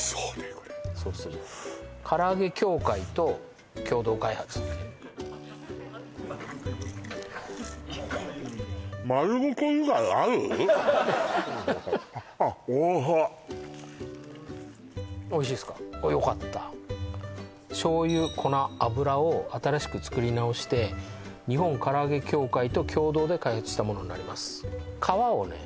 これ唐揚協会と共同開発ってあっおいしいおいしいですかよかった醤油粉油を新しく作り直して日本唐揚協会と共同で開発したものになります皮をね